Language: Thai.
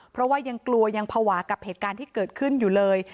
เพราะว่ายังกลัวยังภาวะกับเหตุการณ์ที่เกิดขึ้นอยู่เลย